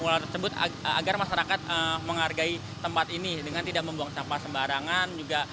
agar masyarakat menghargai tempat ini dengan tidak membuang sampah sembarangan